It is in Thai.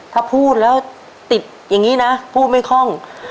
ถ้าพูดแล้วติดอย่างนี้นะพูดไม่คล่อง